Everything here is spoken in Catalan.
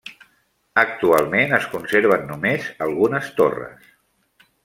Actualment es conserven només algunes torres.